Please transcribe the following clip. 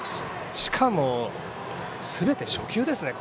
しかも、すべて初球ですね。